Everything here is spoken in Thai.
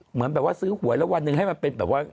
เหมือนแบบว่าซื้อหวยแล้ววันหนึ่งให้มันเป็นแบบว่า